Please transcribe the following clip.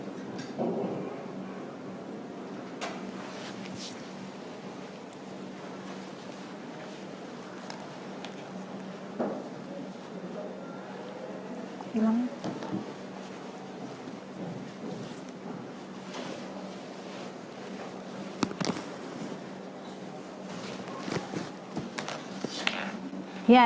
ini ibu putri candrawati